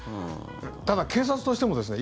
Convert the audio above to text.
ただ、警察としてもですね